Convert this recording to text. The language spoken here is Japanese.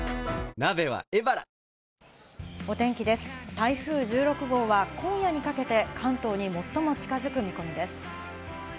台風１６号は今夜にかけて関東に最も近づく見込みです。